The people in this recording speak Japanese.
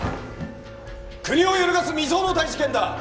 国を揺るがす未曽有の大事件だ。